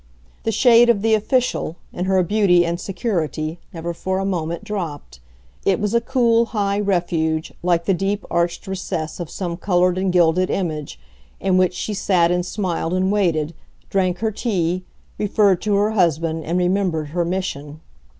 The shade of the official, in her beauty and security, never for a moment dropped; it was a cool, high refuge, like the deep, arched recess of some coloured and gilded image, in which she sat and smiled and waited, drank her tea, referred to her husband and remembered her mission.